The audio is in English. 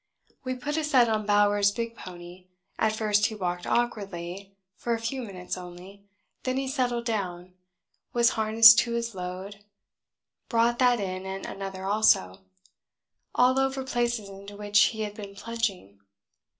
We put a set on Bowers' big pony at first he walked awkwardly (for a few minutes only) then he settled down, was harnessed to his load, brought that in and another also all over places into which he had been plunging.